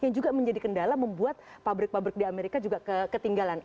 yang juga menjadi kendala membuat pabrik pabrik di amerika juga ketinggalan